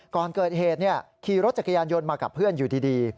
ก่อนเกิดเหตุขี่รถจักรยานยนต์มากับเพื่อนอยู่ดี